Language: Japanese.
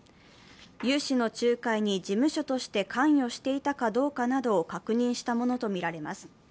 融資の仲介に事務所として関与していたかどうかなどを確認したものとみられます。